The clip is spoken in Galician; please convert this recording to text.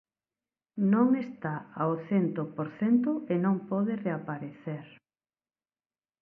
Non está ao cento por cento e non pode reaparecer.